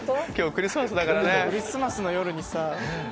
クリスマスの夜にさぁ。